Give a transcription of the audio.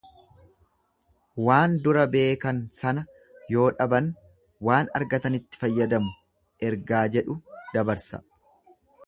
Waan dura beekan sana yoo dhaban waan argatanitti fayyadamu ergaa jedhu dabarsa.